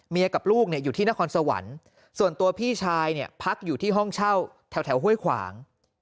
กับลูกเนี่ยอยู่ที่นครสวรรค์ส่วนตัวพี่ชายเนี่ยพักอยู่ที่ห้องเช่าแถวห้วยขวาง